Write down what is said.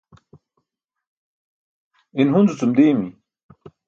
in Hunzu-cum diimi